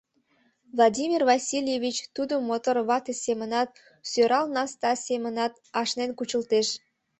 Владимир Васильевич тудым мотор вате семынат, сӧрал наста семынат ашнен кучылтеш.